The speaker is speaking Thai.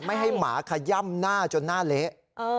ไม่ให้หมาขย่ำหน้าจนหน้าเละ